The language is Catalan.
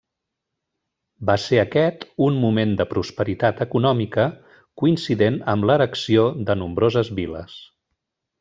Va ser aquest un moment de prosperitat econòmica, coincident amb l'erecció de nombroses viles.